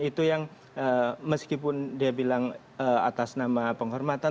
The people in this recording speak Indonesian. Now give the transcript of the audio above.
itu yang meskipun dia bilang atas nama penghormatan